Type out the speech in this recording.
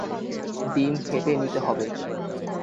ডিম ফেটে নিতে হবে।